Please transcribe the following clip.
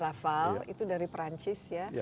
rafael itu dari perancis ya